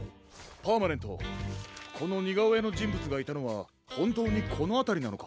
パーマネントこのにがおえのじんぶつがいたのはほんとうにこのあたりなのか？